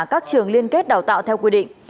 các trường liên kết đào tạo theo quy định